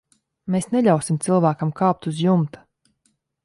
Mēs neļausim cilvēkam kāpt uz jumta.